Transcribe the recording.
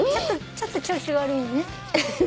ちょっと調子が悪いのね。